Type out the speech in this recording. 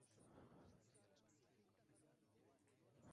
En este caso, a diferencia del primero, sí llegó a Europa.